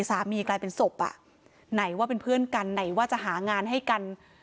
กลายเป็นศพอ่ะไหนว่าเป็นเพื่อนกันไหนว่าจะหางานให้กัน